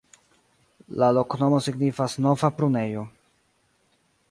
La loknomo signifas: nova-prunejo.